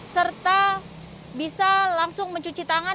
serta bisa langsung mencuci tangan